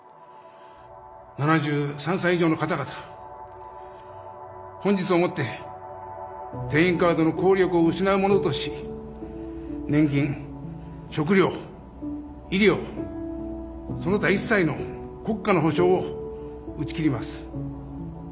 ７３歳以上の方々、本日をもって定員カードの効力を失うものとし年金食糧医療その他一切の国家の保障を打ち切ります。